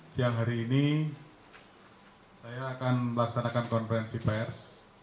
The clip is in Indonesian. siang hari ini saya akan melaksanakan konferensi pers